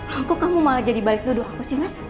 loh kok kamu malah jadi balik nuduh aku sih mas